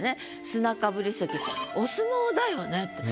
砂かぶり席お相撲だよねって。